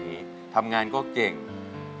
ไม่ทำได้ไม่ทำได้